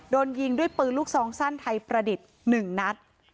โดนยิงด้วยปืนลูกซองสั้นไทยประดิษฐ์๑นัด